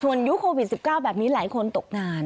ยุคโควิด๑๙แบบนี้หลายคนตกงาน